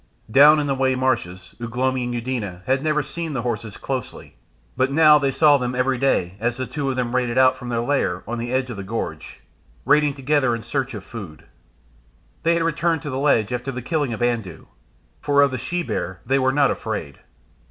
Down in the Wey marshes Ugh lomi and Eudena had never seen the horses closely, but now they saw them every day as the two of them raided out from their lair on the ledge in the gorge, raiding together in search of food. They had returned to the ledge after the killing of Andoo; for of the she bear they were not afraid.